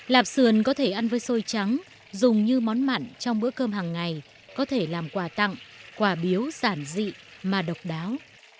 lạp sườn có thể ăn với xôi trắng dùng như món mặn trong bữa cơm hằng ngày có thể làm quà tặng quà biếu sản dị mà độc đáo